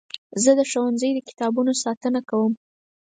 زه د ښوونځي د کتابونو ساتنه کوم.